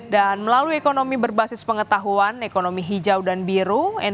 dan melalui ekonomi berbasis pengetahuan ekonomi hijau dan biru